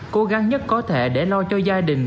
cố gắng nhất có thể để lo cho gia đình